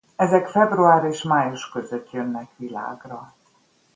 Ezek február és május között jönnek világra.